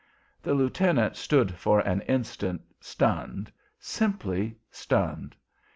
The lieutenant stood for an instant stunned, simply stunned.